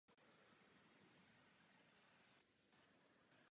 Ano, pro většinu našich nejcitlivějších regionů představují příležitost.